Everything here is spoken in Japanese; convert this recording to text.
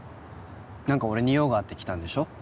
何か俺に用があって来たんでしょ？